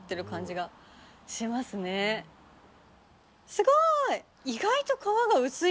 すごい！